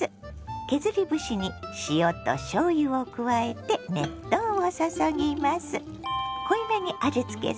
削り節に塩としょうゆを加えて熱湯を注ぎます。